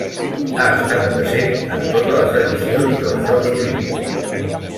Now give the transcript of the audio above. Ha estat present en totes les edicions dels Jocs Olímpics.